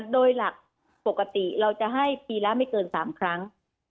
โดยหลักปกติเราจะให้ปีละไม่เกิน๓ครั้ง